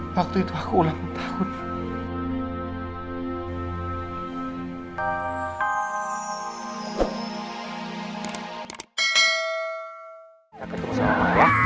waktu itu aku ulang tahun